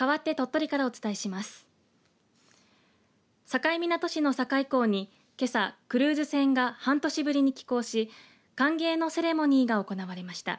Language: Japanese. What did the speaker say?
境港市の境港に、けさクルーズ船が半年ぶりに寄港し歓迎のセレモニーが行われました。